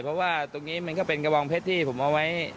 เพราะว่าตรงนี้มันก็เป็นกระบองเพชรที่ผมเอาไว้